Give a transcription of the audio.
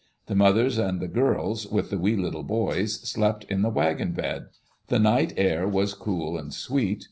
The mothers and the girls, with the wee little boys, slept In the wagon bed. The night air was cool and sweet.